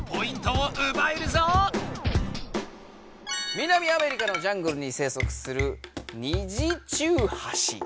南アメリカのジャングルに生息するニジチュウハシ。